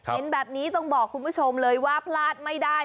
เห็นแบบนี้ต้องบอกคุณผู้ชมเลยว่าพลาดไม่ได้